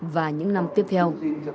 và những năm tiếp theo